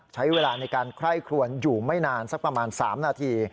ใช้เวลาในการไคร่ครวนอยู่ไม่นานสักประมาณ๓นาที